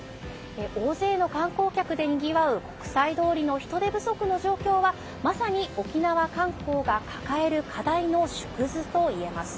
大勢の観光客でにぎわう国際通りの人手不足の状況はまさに沖縄観光が抱える課題の縮図と言えます。